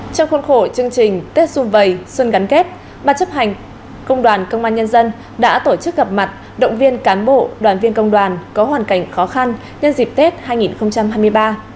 trong khuôn khổ chương trình tết xuân vầy xuân gắn kết bà chấp hành công đoàn công an nhân dân đã tổ chức gặp mặt động viên cán bộ đoàn viên công đoàn có hoàn cảnh khó khăn nhân dịp tết hai nghìn hai mươi ba